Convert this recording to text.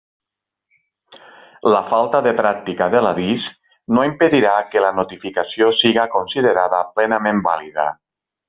La falta de pràctica de l'avís no impedirà que la notificació siga considerada plenament vàlida.